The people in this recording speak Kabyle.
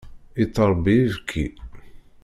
Yettṛebbi ibekki.